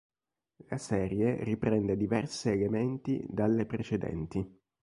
La serie riprende diverse elementi dalle precedenti.